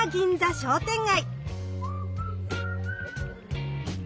商店街。